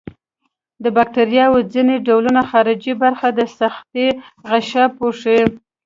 د باکتریاوو ځینې ډولونه خارجي برخه د سختې غشا پوښي.